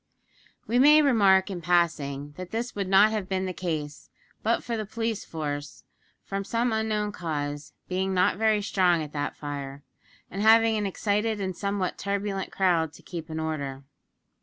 We may remark in passing, that this would not have been the case, but for the police force, from some unknown cause, being not very strong at that fire, and having an excited and somewhat turbulent crowd to keep in order.